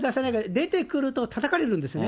出てくると、たたかれるんですね。